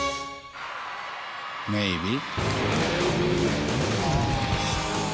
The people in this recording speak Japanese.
「メイビー」